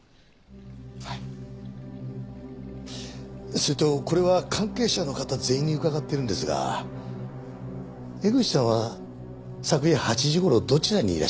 それとこれは関係者の方全員に伺ってるんですが江口さんは昨夜８時頃どちらにいらっしゃいました？